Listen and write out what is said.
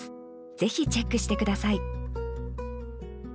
ぜひチェックして下さい